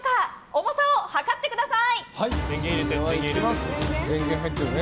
重さを計ってください。